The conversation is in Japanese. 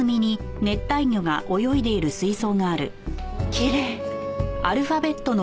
きれい。